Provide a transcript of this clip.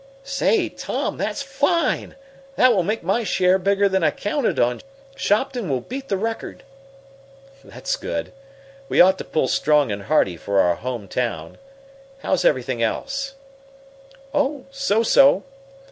"Say, Tom, that's fine! That will make my share bigger than I counted on. Shopton will beat the record." "That's good. We ought to pull strong and hearty for our home town. How's everything else?" "Oh, so so.